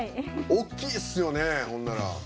大きいですよねほんなら。